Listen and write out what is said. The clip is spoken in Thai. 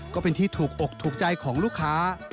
ก็เป็นที่ถูกอกถูกใจของลูกค้า